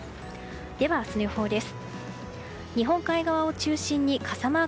では、明日の予報です。